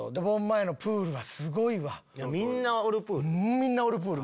みんなおるプール？